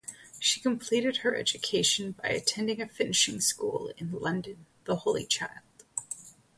She completed her education by attending a finishing school in London, the Holy Child.